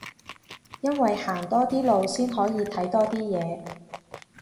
因為行多啲路先可以睇多啲嘢